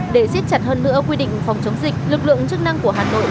để xiết chặt hơn nữa quy định phòng chống dịch lực lượng chức năng của hà nội